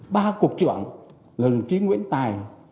ba cục trưởng là đồng chí nguyễn tài